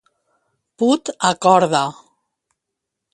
Put a corda.